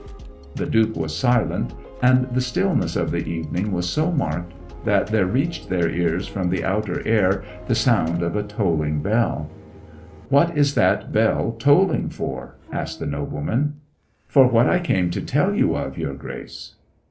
The Duke was silent; and the stillness of the evening was so marked that there reached their ears from the outer air the sound of a tolling bell. 'What is that bell tolling for?' asked the nobleman. 'For what I came to tell you of, your Grace.'